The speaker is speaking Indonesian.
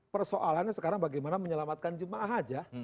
persoalannya sekarang bagaimana menyelamatkan jemaah aja